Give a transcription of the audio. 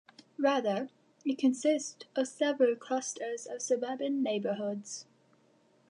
Rather, it consists of several clusters of suburban neighborhoods.